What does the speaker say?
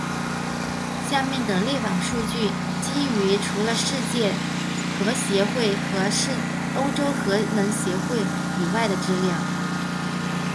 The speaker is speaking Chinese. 下面的列表数据基于除了世界核协会和欧洲核能协会以外的资料。